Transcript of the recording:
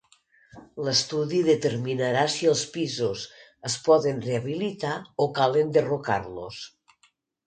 L'estudi determinarà si els pisos es poden rehabilitar o cal enderrocar-los.